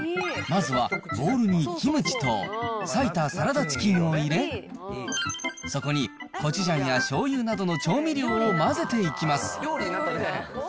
まずはボウルにキムチと、裂いたサラダチキンを入れ、そこにコチュジャンやしょうゆなどの調味料を混ぜていきます。